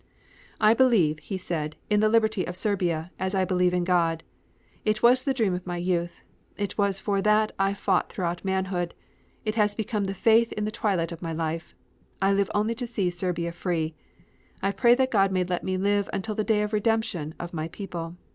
"I believe," he said, "in the liberty of Serbia, as I believe in God. It was the dream of my youth. It was for that I fought throughout manhood. It has become the faith of the twilight of my life, I live only to see Serbia free. I pray that God may let me live until the day of redemption of my people.